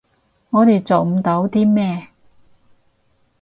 我哋做唔到啲咩